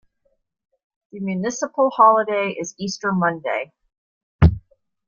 The municipal holiday is Easter Monday.